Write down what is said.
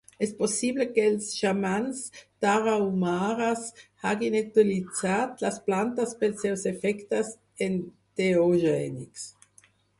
És possible que els xamans tarahumares hagin utilitzat les plantes pels seus efectes enteogènics.